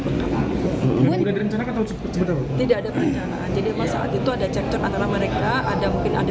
pembangunan dari ca ini adalah memang yang bersangkutan pelaku utama dalam pembunuhan anggota polisi